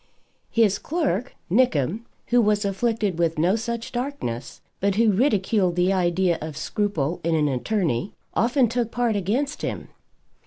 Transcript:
His clerk, Nickem, who was afflicted with no such darkness, but who ridiculed the idea of scruple in an attorney, often took part against him.